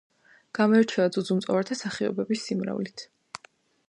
გამოირჩევა ძუძუმწოვართა სახეობების სიმრავლით.